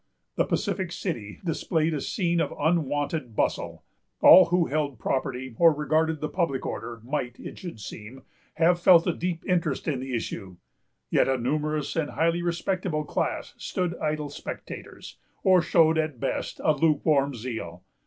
The pacific city displayed a scene of unwonted bustle. All who held property, or regarded the public order, might, it should seem, have felt a deep interest in the issue; yet a numerous and highly respectable class stood idle spectators, or showed at best but a lukewarm zeal.